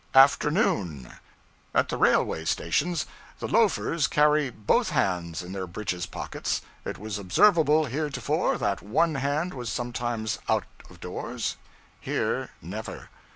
'AFTERNOON. At the railway stations the loafers carry _both _hands in their breeches pockets; it was observable, heretofore, that one hand was sometimes out of doors, here, never.